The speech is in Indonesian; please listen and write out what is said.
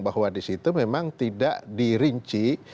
bahwa disitu memang tidak dirinci